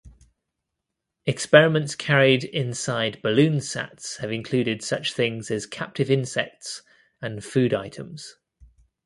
Experiments carried inside BalloonSats have included such things as captive insects and food items.